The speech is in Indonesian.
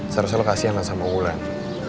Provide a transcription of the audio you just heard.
seharusnya lo kasih anas sama ulan